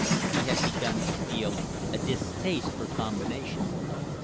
He had begun to feel a distaste for combination.